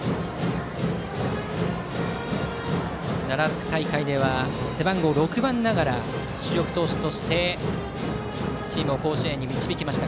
奈良大会では背番号６ながら主力投手としてチームを甲子園に導きました。